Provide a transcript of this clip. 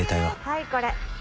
はいこれ。